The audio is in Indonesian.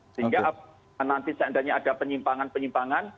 sehingga nanti seandainya ada penyimpangan penyimpangan